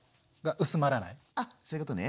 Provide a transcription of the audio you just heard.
あっそういうことね。